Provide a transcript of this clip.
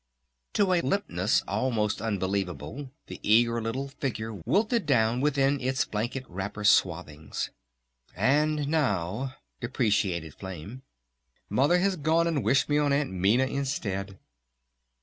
To a limpness almost unbelievable the eager little figure wilted down within its blanket wrapper swathings. "And now ..." deprecated Flame, "Mother has gone and wished me on Aunt Minna instead!"